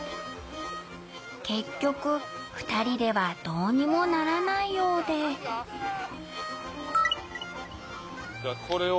結局２人ではどうにもならないようでではこれを。